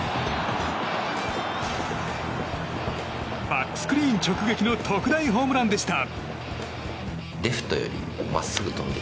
バックスクリーン直撃の特大ホームランでした。